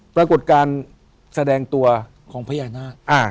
ปรากฏการณ์แสดงตัวของพญานาค